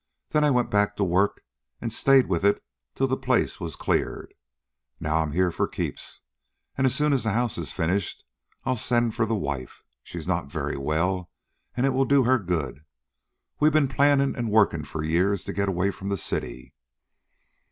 Then I went back to work an' stayed with it till the place was cleared. Now I 'm here for keeps, an' soon as the house is finished I'll send for the wife. She's not very well, and it will do her good. We've been planning and working for years to get away from the city."